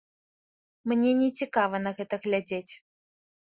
Мне нецікава на гэта глядзець.